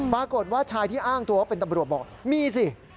ปรากฏว่าชายที่อ้างตัวว่าเป็นตำรวจบอกมีสิ